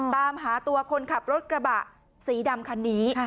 ตามหาตัวคนขับรถกระบะสีดำคันนี้